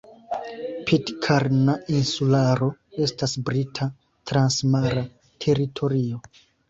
Pitkarna Insularo estas Brita transmara teritorio.